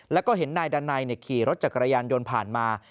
และก็เห็นนายดันไนขี่รถจากกระยันโดนผ่านมา